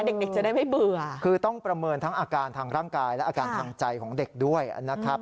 เด็กจะได้ไม่เบื่อคือต้องประเมินทั้งอาการทางร่างกายและอาการทางใจของเด็กด้วยนะครับ